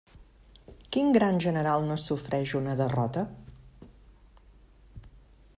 Quin gran general no sofreix una derrota?